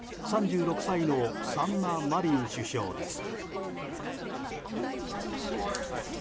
３６歳のサンナ・マリン首相です。